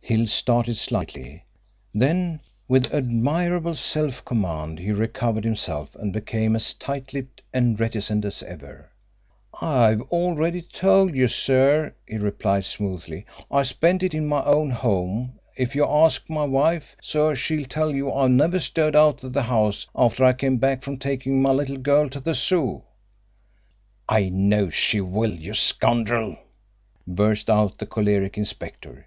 Hill started slightly, then, with admirable self command, he recovered himself and became as tight lipped and reticent as ever. "I've already told you, sir," he replied smoothly. "I spent it in my own home. If you ask my wife, sir, she'll tell you I never stirred out of the house after I came back from taking my little girl to the Zoo." "I know she will, you scoundrel!" burst out the choleric inspector.